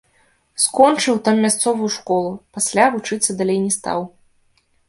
Скончыў там мясцовую школу, пасля вучыцца далей не стаў.